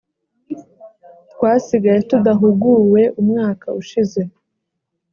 twasigaye tudahuguwe umwaka ushize